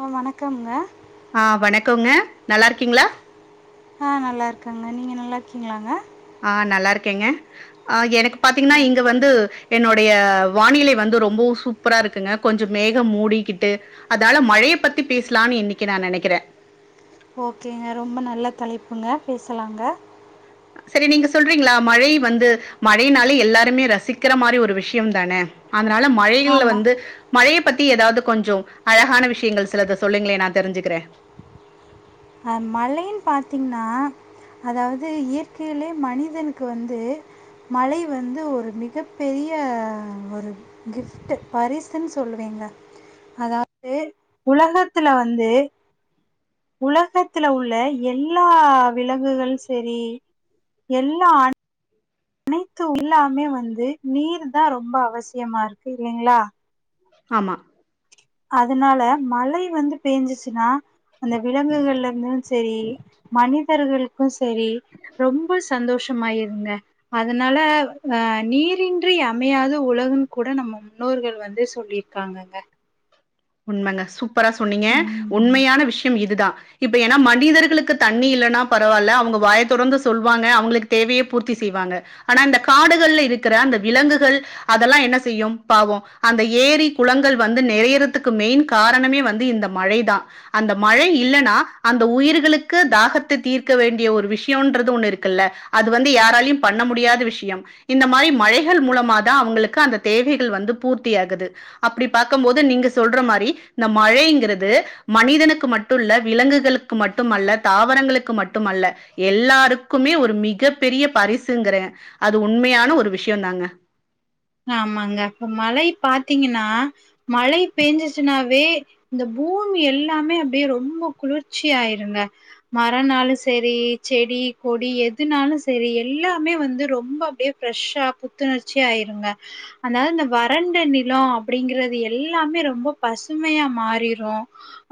ஆ வணக்கம்ங்க கொங்க நல்லா இருக்கீங்களா ஆஹ் நல்லா இருக்காங்க நீங்க நல்லா இருக்கீங்களாங்க ஆஹ் நல்லா இருக்கேங்க ஆஹ் எனக்கு பாத்தீங்கன்னா இங்க ஓகேங்க வந்து என்னுடைய வானிலை வந்து ரொம்பவு சூப்பரா இருக்குங்க கொஞ்சொ மேகம் மூடிக்கிட்டு அதால மழைய பத்தி பேசலான்னு இன்னைக்கு நா நெனைக்கிறே ஓகேங்க ரொம்ப நல்லா தலைப்புங்க பேசலாங்க சரி நீங்க சொல்றீங்களா மழை வந்து மழைனாலே எல்லாருமே ரசிக்கிற மாரி ஒரு விஷயம் தானே அதுனால மழைகள்ல வந்து ஆமாம் மழையப் பத்தி ஏதாவது கொஞ்சொ அழகான விஷயங்கள் சிலத சொல்லுங்களே நா தெரிஞ்சுக்குறே அஹ் மழைன்னு பாத்தீங்கன்னா அதாவது இயற்கையிலே மனிதனுக்கு வந்து மழை வந்து ஒரு மிகப் பெரிய ஒரு கிஃப்ட்டு பரிசுன்னு சொல்லுவேங்க அதாவது உலகத்துல வந்து உலகத்துல உள்ள எல்லா விலங்குகள் செரி எல்லா அனைத்து உல்லாமே வந்து நீர்தா ரொம்ப அவசியமா இருக்கு இல்லிங்களா ஆமா அதனால மழை வந்து பேஞ்சுச்சுன்னா அந்த விலங்குகள்லு இருந்து செரி மனிதர்கள் [unintelligible] செரி ரொம்ப சந்தோஷம் மாயிருங்க அதனால அஹ் நீரின்றி அமையாத உலகுன்னு கூட நம்ம முன்னோர்கள் வந்து சொல்லியிருக்காங்கங்க உண்மைங்க சூப் சூப்பரா சொன்னீங்க உம் உண்மையான விஷயம் இதுதா இப்ப ஏன்னா மனிதர்களுக்கு தண்ணி இல்லன்னா பரவாயில்ல அவங்க வாய தொறந்து சொல்லவாங்க அவங்களுக்கு தேவைய பூர்த்தி செய்வாங்க ஆனா இந்த காடுகள்ல இருக்கிற அந்த விலங்குகள் அதெல்லா என்ன செய்யு பாவம் அந்த ஏரி குளங்கள் வந்து நிறைய அதுக்கு மெயின் காரணமே வந்து இந்த மழை தா அந்த மழை இல்லனா அந்த உயிர்களுக்கு தாகத்தை தீர்க்க வேண்டிய ஒரு விஷயம்து ஒண்ணு இருக்குல்ல அது வந்து யாராலும் பண்ண முடியாத விஷயம் இந்த மாரி மழைகள் மூலமா தா அவங்களுக்கு அந்த தேவைகள் வந்து பூர்த்தியாகுது அப்டி பாக்கும்போது நீங்க சொல்ற மாரி இந்த மழைங்கிறது மனிதனுக்கு மட்டுயில்ல விலங்குகளுக்கு மட்டும்ல்ல தாவரங்களுக்கு மட்டும்ல்ல எல்லாருக்குமே ஒரு மிகப் பெரிய பரிசுங்கற அது உண்மையான ஒரு விஷயம் தாங்க ஆமாங்க இப்ப மழை பாத்தீங்கன்னா மழை பெஞ்சிச்சுன்னாவே இந்த பூமி எல்லாமே அப்டியே ரொம்ப குளிர்ச்சி ஆயிருங்க மரனாலும் செரி செடி கொடி எதுனாலும் சேரி எல்லாமே வந்து ரொம்ப அப்டியே ஃபிரஷ்ஷா புத்துணர்ச்சி ஆயிருங்க அதாவது இந்த வறண்ட நிலம் அப்பிடிங்கிறது எல்லாமே ரொம்ப பசுமையா மாறிரும்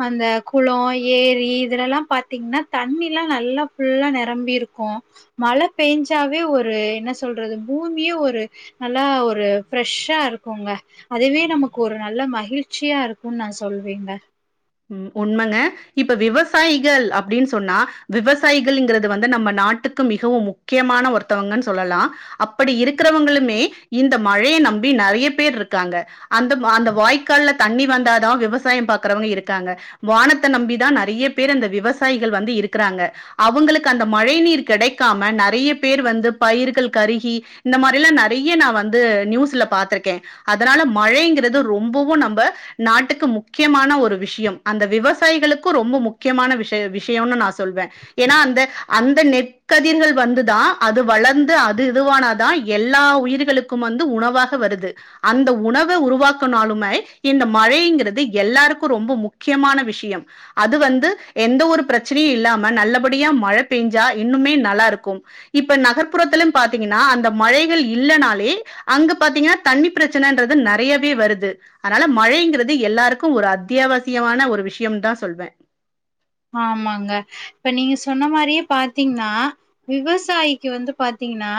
அந்த குளம் ஏரி இதுலல்லா பாத்தீங்கன்னா தண்ணி எல்லா நல்லா ஃபுல்லா நிரம்பிருக்கு மழ பேஞ்சாவே ஒரு என்ன சொல்றது பூமியே ஒரு நல்லா ஒரு ஒரு ஃப்ரெஷ்ஷா இருக்குங்க அதுவே நமக்கு ஒரு நல்ல மகிழ்ச்சியா இருக்கும்ன்னு நா சொல்வேங்க உண்மைங்க இப்ப விவசாயிகள் அப்டின்னு சொன்னா விவசாயிகள்ங்கிறது வந்து நம்ம நாட்டுக்கு மிகவும் முக்கியமான ஒருத்தவங்கன்னு சொல்லலா அப்டி இருக்கிறவங்களுமே இந்த மழைய நம்பி நெறைய பேர் இருக்காங்க அந்த அந்த வாய்க்காலல தண்ணி வந்தாதா விவசாயம் பாக்கறவங்க இரு வானத்த நம்பிதா நெறைய பேர் அந்த விவசாயிகள் வந்து இருக்குறாங்க அவங்களுக்கு அந்த மழை நீர் கெடைக்காம நெறைய பேர் வந்து பயிர்கள் கருகி இந்த மாரிலா நெறையா நா வந்து நியூஸ்ல பாத்துருக்கே அதனால மழைங்கிறது ரொம்பவு நம்ம நாட்டுக்கு முக்கியமான ஒரு விஷய அந்த விவசாயிகளுக்கும் ரொம்ப முக்கியமான விஷ விஷயம்னு நா சொல்வே ஏன்னா அந்த அந்த நெற்கதிர்கள் வந்துதா அது வளர்ந்து அது இதுவானாதா எல்லா உயிர்களுக்கும் வந்து உணவாக வருது அந்த உணவ உருவாக்கனாலுமே இந்த மழைங்கிறது எல்லாருக்கு ரொம்ப முக்கியம் முக்கியமான விஷயம் அது வந்து எந்த ஒரு பிரச்சனையு இல்லாம நல்லபடியா மழ பேஞ்சா இன்னுமே நல்லா இருக்கு இப்ப நகர்ப்புறத்துல பாத்தீங்கன்னா அந்த மழைகள் இல்லனாலே அங்க பாத்தீங்கன்னா தண்ணி பிரச்சனைன்றது நெறையாவே வருது அதனால மழைங்கிறது எல்லாருக்கு ஒரு அத்தியாவசிய முக்கியமான ஒரு விஷய ஆமாங்க இப்ப நீங்க சொன்ன மாரியே பாத்தீங்கன்னா விவசாயிக்கு வந்து பாத்தீங்கன்னா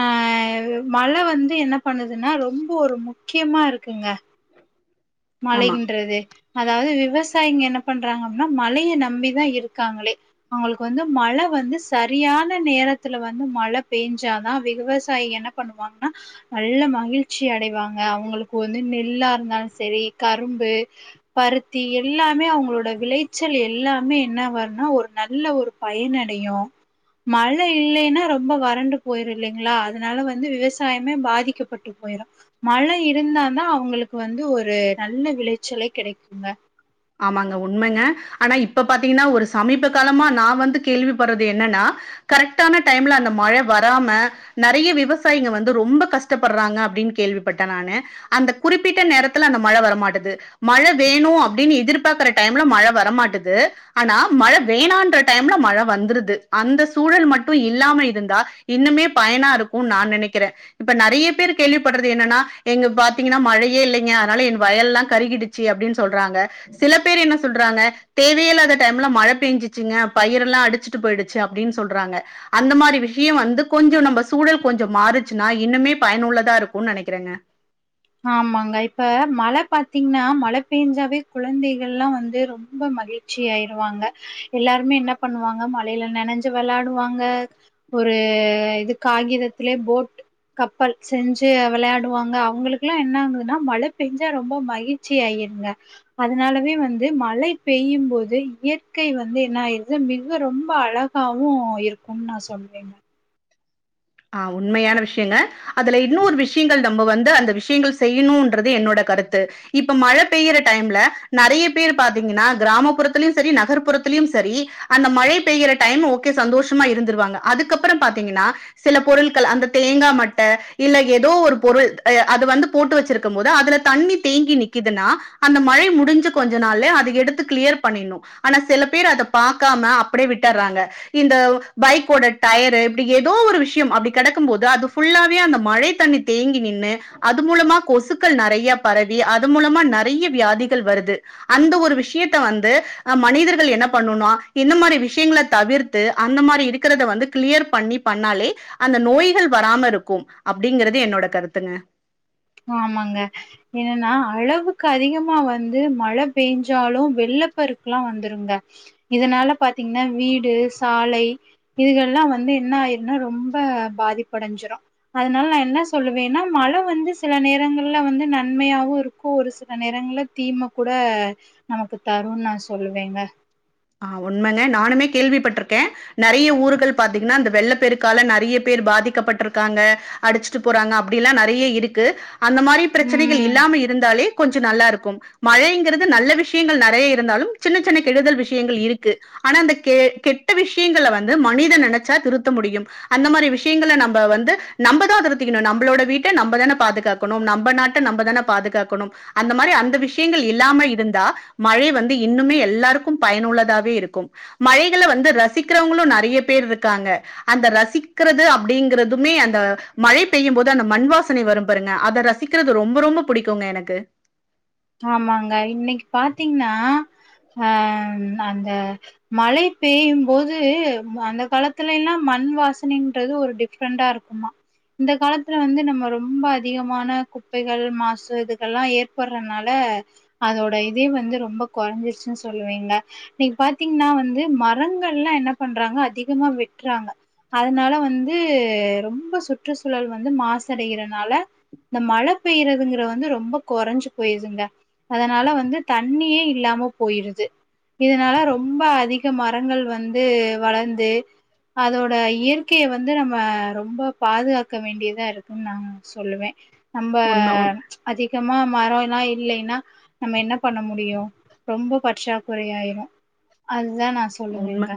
ஆஹ் மழ வந்து என்ன பண்ணுதுன்னா ரொம்ப ஒரு முக்கியமா இருக்குங்க ஆமா மழையின்றது அதாவது விவசாயிங்க என்ன பண்றாங்க அப்டினா மழைய நம்பிதா இருக்காங்களே அவங்களுக்கு வந்து மழ வந்து சரியான நேரத்துல வந்து மழ பேஞ்சாதா விவசாயி என்ன பண்ணுவாங்கன்னா நல்ல மகிழ்ச்சி அடைவாங்க அவங்களுக்கு வந்து நெல்லா இருந்தாலு செரி செரி கரும்பு பருத்தி எல்லாமே அவங்களோட விளைச்சல் எல்லாமே என்ன வரனா ஒரு நல்ல ஒரு பயன்னடையு மழ இல்லன்னா ரொம்ப வறண்டு போயிரும் இல்லிங்களா அதனால வந்து விவசாயமே பாதிக்கப்பட்டு போயிரும் மழ இருந்தா தா அவங்களுக்கு வந்து ஒரு ஒரு நல்ல விளைச்சலை கெடைக்குங்க ஆமாங்க உண்மைங்க ஆனா இப்ப பாத்தீங்கன்னா ஒரு சமீப காலமா நா வந்து கேள்விப்படுறது என்னன்னா கரெக்டான டைம்ல அந்த மழ வராம நெறைய விவசாயிங்க வந்து ரொம்ப கஷ்டப்படுறாங்க அப்டின்னு கேள்விப்பட்ட நானு அந்த குறிப்பிட்ட நேரத்துல அந்த மழ வரமாட்டனுது மழ வேணு அப்டின்னு எதிர்பாக்கற டைம்ல மழ வரமாட்டனுது ஆனா மழ வேணான்ற டைம்ல மழ வந்துருது அந்த சூழல் மட்டு இல்லாம இருந்தா இன்னுமே பயனா இருக்கு நா நெனைக்கிற இப்ப நெறைய பேர் கேள்விப்படுறது என்னன்னா எங்க பாத்தீங்கன்னா மழையே இல்லங்க அதனால என் வயல்லா கருகிடுச்சு அப்டின்னு சொல்றாங்க சில பேர் என்ன சொல்றாங்க தேவையேல்லாத டைம்ல மழ பேஞ்சுச்சுங்க பயிரெல்லா அடிச்சுட்டு போயிடுச்சு அப்டின்னு சொல்றாங்க அந்த மாரி விஷயம் வந்து கொஞ்சோ நம்ம சூழல் கொஞ்சோ மாறுச்சுன்னா இன்னுமே பயனுள்ளதா இருக்கும்னு நினைக்கிறேங்க ஆமாங்க இப்ப மழ பாத்தீங்ன்னா மழ பேஞ்சாவே குழந்தைகள்ல்லாம வந்து ரொம்ப மகிழ்ச்சி ஆயிருவாங்க எல்லாருமே என்ன பண்ணுவாங்க மழையில நெனைஞ்சு வெளாயாடுவாங்க ஒரு இது காகிதத்திலயே போட் கப்பல் செஞ்சு வெளயா வருவாங்க அவங்களுக்கு என்ன ஆங்குதுன்னா மழ பேஞ்சா ரொம்ப மகிழ்ச்சி ஆயிருங்க அதனாலவே வந்து மழை பெய்யும் போது இயற்கை வந்து என்ன ஆயிருது மிக ரொம்ப அழகாவு இருக்கும்னு நா சொல்றேங்க ஆஹ் உண்மையான விஷயங்க அதுல இன்னொரு விஷயங்கள் நம்ம வந்து அந்த விஷயங்கள் செய்யணும்ன்றது என்னோட கருத்து இப்ப மழ பெய்ற டைம்ல நெறைய பேர் பாத்தீங்கன்னா கிராமப்புறத்திலியும் செரி நகர்ப்புறத்துலியும் செரி அந்த மழை பெயிற டைம் ஓகே சந்தோஷமா இருந்துருவாங்க அதுக்கப்புறம் பாத்தீங்கன்னா சில பொருள்கள் அந்த தேங்கா மட்ட இல்ல ஏதோ ஒரு பொருள் எ அ அது வந்து போட்டு வெச்சிருக்கும் போது அதுல தண்ணி தேங்கி நிக்குதுன்னா அந்த மழை முடிஞ்ச கொஞ்ச நாள்ல அத எடுத்து கிளியர் பண்ணிணு ஆனா சில பேர் அத பாக்காம அப்டியே விட்டறாங்க இந்த பைக்கோட டயரு இப்டி ஏதோ ஒரு வி ஷயம் அப்டி கெடக்கும் போது அது புல்லாவே அந்த மழை தண்ணி தேங்கி நின்னு அது மூலமா கொசுக்கள் நெறையா பரவி அது மூலமா நெறையா வியாதிகள் வருது அந்த ஒரு விஷயத்த வந்து அ மனிதர்கள் என்ன பண்ணோனாம் இந்த மாரி விஷயங்களை தவிர்த்து அந்த மாரி இருக்கிறத வந்து கிளியர் பண்ணி பண்ணாலே அந்த நோய்கள் வராம இருக்கும் அப்டிங்கறது என்னோட கருத்துங்க ஆமாங்க என்னன்னா அளவுக்கு அதிகமா வந்து மழை பெய்ஞ்சாலு வெள்ளப்பெருக்குலா வந்துருங்க இதனால பாத்தீங்கன்னா வீடு சாலை இதுஎல்லா வந்து என்ன ஆயிருன்னா ரொம்ப பாதிப்படைஞ்சிடும் அதனால நா என்ன சொல்லுவேன்னா மழ வந்து சில நேரங்கள்ல வந்து நன்மையாவு இருக்கு ஒரு சில நேரங்கள்ல தீமை கூட நமக்கு தரும்ன்னு நா சொல்லுவேங்க ஆஹ் உண்மைங்க நானுமே கேள்விப்பட்டிருக்கேன் நெறைய ஊர்கள் பாத்தீங்கன்னா இந்த வெள்ளப் பெருக்கால நெறைய பேர் பாதிக்கப்பட்டிருக்காங்க அடிச்சுட்டு போறாங்க அப்டில்லா நெறையா இருக்கு அந்த மாரி பிரச்சனைகள் ம் இல்லாம இருந்தாலே கொஞ்ச ம் நல்லா இருக்கும் மழைங்கிறது நல்ல விஷயங்கள் நெறைய இருந்தாலும் சின்ன சின்ன கெடுதல் விஷ கேங்கள் இருக்கு ஆனா அந்த கெ கெட்ட விஷயங்கள் வந்து மனித நெனச்சா திருத்த முடியு அந்த மாரி விஷயங்கள் நம்ம வந்து நம்பதான் திருத்திக்கணும் நம்பளோட வீட்ட நம்தான பாதுகாக்கணும் நம்ம நாட்டை நம்மதான பாதுகாக்கணு அந்த மாரி அந்த விஷயங்கள் இல்லாம இருந்தா மழை வந்து இன்னுமே எல்லாருக்கும் பயனுள்ளதாவே இருக்கும் மழைகள வந்து ரசிக்கிறவங்களும் நறைய பேர் இருக்காங்க அந்த ரசிக்கிறது அப்டிங்கறதுமே அந்த மழை பெய்யும் போது அந்த மண்வாசனை வரும் பாருங்க அத ரசிக்கிறது ரொம்ப ரொம்ப புடிக்குங்க எனக்கு ஆமாங்க இன்னைக்கு பாத்தீங்கன்னா அஹ் அந்த மழை பெய்யும் போது அந்த காலத்துல எல்லாம் மண் வாசனைன்றது ஒரு டிஃப்ரெண்டா இருக்குமா இந்த காலத்துல வந்து நம்ம ரொம்ப அதிகமான குப்பைகள் மாசு இதுக்கு எல்லாம் ஏற்பர் றன்னால அதோட இதே வந்து ரொம்ப குறஞ்சிச்சுன்னு சொல்லுவேங்க இன்னைக்கு பாத்தீங்கன்னா வந்து மரங்கள் எலா என்ன பண்றாங்க அதிகமா வெட்றாங்க அதனால வந்து ரொம்ப சுற்றுசூழல் வந்து மாசடையிறனால இந்த மழ பெய்றதுங்கிற வந்து ரொம்ப குறைஞ்சு போயுதுங்க அதனால வந்து தண்ணியே இல்லாம போயிருது இதனால ரொம்ப அதிக மரங்கள் வந்து வளர்ந்து அதோட இயற்கைய வந்து நம்ம ரொம்ப பாதுகாக்க வேண்டியதா இருக்கு நான் சொல்லுவே நம்ம உண்ம உண் ச்சு அதிகமா மரறோ னா இல்லைன்னா நம்ம என்ன பண்ண முடியு ரொம்ப பற்றாக்குறை ஆயிறு அ அதான் நான் உண்ம. சொல்லுவேங்க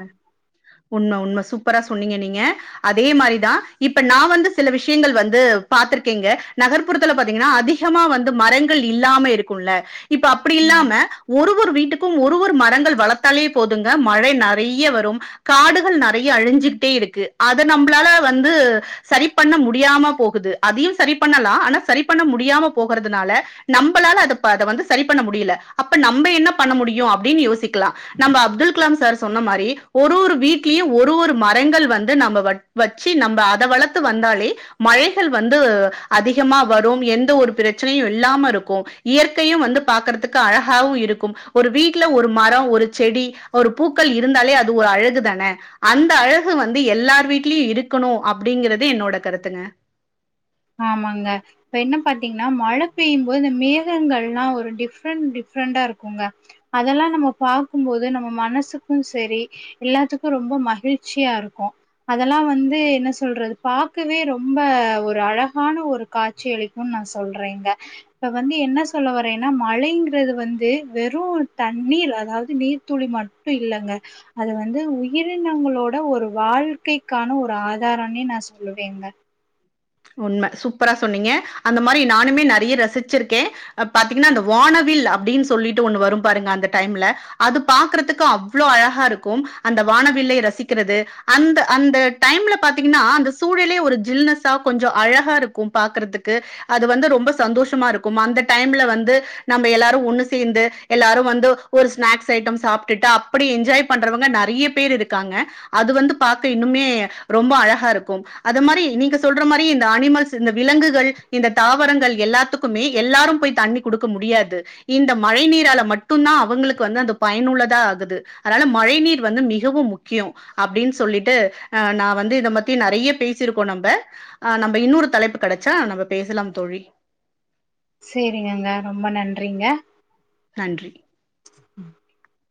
உண்ம உண்ம சூப்பரா சொன்னீங்க நீங்க அதே மாரிதான் இப்ப நான் வந்து சில விஷயங்கள் வந்து பாத்திருக்கேங்க நகர்ப்புறத்துல பாத்தீங்கன்னா அதிகமா வந்து மரங்கள் இல்லாம இருக்கும்ல இப்ப அப்படி இல்லாம ஒரு ஒரு வீட் க்கும் ஒரு ஒரு மரங்கள் வளர்த்தாலே போதுங்க ங்க மழை நறைய வரும் காடுகள் நறைய அழிஞ்சிட்டே இருக்கு அத நம்பளால வந்து செரி பண்ண முடியாம போகுது அதியும் செரி பண்ணலாம் ஆனா சரி பண்ண முடியாம போகறதுனால நம்மளால அத ப பண்ண முடியல அப்ப நம்ம என்ன பண்ண முடியு அப்டின்னு யோசிக்கலா நம்ம அப்துல் க்கலாம் சார் சொன்ன மாரி ஒரு ஒரு வீட்லியும் ஒரு ஒரு மரங்கள் வந்து நம்ம வ வச்சு நம்ப அத வளத்து வந்தாலே மழைகள் வந்து அதிகமா வரும் எந்த ஒரு பிரச்சனையு இல்லாம இருக்கும் இயற்கையு வந்து பாக்குறதுக்கு அழகாவு இருக்கும் ஒரு வீட்டுல ஒரு மரோ ஒரு செடி ஒரு பூக்கள் இருந்தாலே அது ஒரு அழகு தான அந்த அழகு வந்து எல்லார் வீட்லயும் இருக்கணு அப்படிங்கறது என்னோட கருத்துங்க ஆமாங்க இப்ப என்ன பாத்தீங்கன்னா மழ பெய்யும் போது இந்த மேகங்கள்ல்லாம் ஒரு டிஃப்ரெண்ட் டிஃப்ரெண்டா இருக்குங்க அதெல்லாம் நம்ம பாக்கும்போது நம்ம மனசுக்கூ செரி எல்லாத்துக்கும் ரொம்ப மகிழ்ச்சியா இருக்கூ அதெல்லாம் வந்து என்ன சொல்றது பாக்கவே ரொம்ப ஒரு அழகா அழகான ஒரு காட்சியளிக்கும்ன்னு நான் சொல்றேங்க இப்ப வந்து என்ன சொல்ல வரேன்னா மழைங்கிறது வந்து வெறும் தண் ணீர் அதாவது நீர்த்துளி மட்டும் இல்லைங்க அது வந்து உயிரினங்களோட ஒரு வாழ்க்கைக்கான ஒரு ஆதாரம்ன்னே நான் சொல்லுவேங்க உண்ம சூப்பரா சொன்னீங்க அந்த மாரி நானுமே நறைய ரசிச்சிருக்கே பாத்தீங்கன்னா அந்த வானவில் அப்டின்னு சொல்லிட்டு ஒண்ணு வரும் பாருங்க அந்த டைம்ல அது பாக்குறதுக்கு அவ்ளோ அழகா இருக்கும் அந்த வானவில்லை ரசிக்கிறது அந்த அந்த டைம்ல பாத்தீங்கன்னா அந்த சூழலே ஒரு ஜில்னஸ் த கொஞ்சோ அழகா இருக்கும் பாக்கறதுக்கு அது வந்து ரொம்ப சந்தோஷமா இருக்கும் அந்த டைம்ல வந்து நம்ம எல்லாரும் ஒண்ணு சேர்ந்து எல்லாரும் வந்து ஒரு ஸ்நாக்ஸ் ஐட்டம் சாப்பிட்டுட்டு அப்படி என்ஜாய் பண்றவங்க நறைய பேர் இருக்காங்க அது வந்து பாக்க இன்னுமே ரொம்ப அழகா இருக்கூ அந்த மாரி நீங்க சொல்ற மாரி இந்த அனிமல்ஸ் இந்த விலங்குகள் இந்த தாவரங்கள் எல்லாத்துக்குமே எல்லாரும் போய் தண்ணி குடுக்க முடியாது இந்த மழை நீரால மட்டும்தான் அவங்களுக்கு வந்து அந்த பயனுள்ளதா ஆகுது அதால மழை நீர் வந்து மிகவும் முக்கியம் அப்படின்னு சொல்லிட்டு அஹ் நான் வந்து இத மத்தி நறைய பேசிருக்கோம் நம்ப ஆ நம்ப இன்னொரு தலைப்பு கெடச்சா நம்ம பேசலாம் தோழி செரிங்கங்க ரொம்ப நன்றிங்க நன்றி உம்